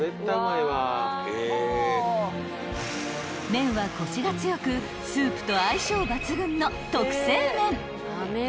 ［麺はコシが強くスープと相性抜群の］